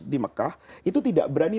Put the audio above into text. di mekah itu tidak berani